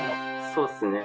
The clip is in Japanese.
そうっすね。